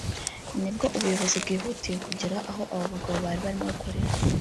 nibwo ubuyobozi bwihutiye kugera aho abo bagabo bari barimo gukorera